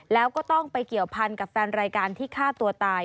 แล้วก็ต้องไปเกี่ยวพันกับแฟนรายการที่ฆ่าตัวตาย